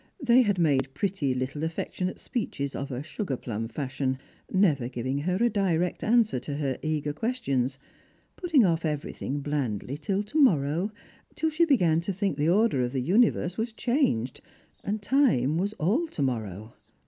They had made pretty little affectionate speeches of a sugar plum fashion, never giving her a direct answer to her eager questions, putting off everything blandly till to morrow, till she began to think the order of the universe was changed, and time was all to morrow.